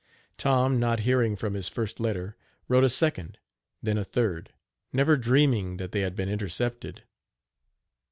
Tom, not hearing from his first letter, wrote a second, then a third, never dreaming that they had been intercepted.